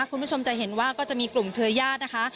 คุณผู้ชมจะเห็นว่าก็จะมีกลุ่มเครือญาตินะคะ